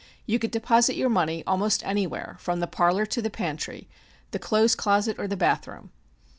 You could deposit your money almost anywhere, from the parlor to the pantry, the clothes closet or the bath room.